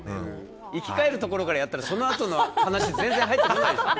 生き返るところからやったらそのあとの話全然入ってこないよ。